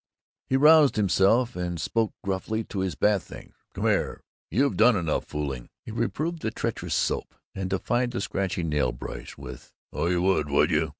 He roused himself and spoke gruffly to his bath things. "Come here! You've done enough fooling!" he reproved the treacherous soap, and defied the scratchy nail brush with "Oh, you would, would you!"